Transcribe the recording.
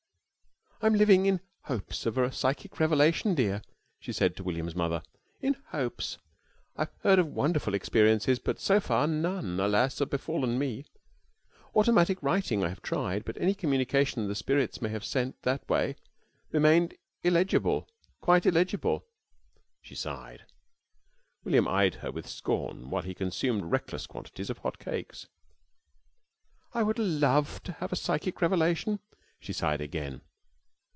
"I'm living in hopes of a psychic revelation, dear," she said to William's mother. "In hopes! I've heard of wonderful experiences, but so far none alas! have befallen me. Automatic writing I have tried, but any communication the spirits may have sent me that way remained illegible quite illegible." She sighed. William eyed her with scorn while he consumed reckless quantities of hot cakes. "I would love to have a psychic revelation," she sighed again.